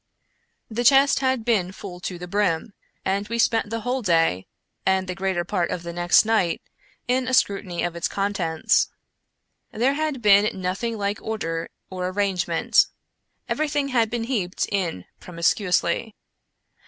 The chest had been full to the brim, and we spent the whole day, and the greater part of the next night, in a scrutiny of its contents. There had been nothing like order or arrangement. Everything had been heaped in promiscu ously.